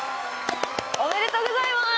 おめでとうございます！